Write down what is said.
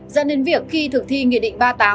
dẫn đến việc khi thực thi nghị định ba mươi tám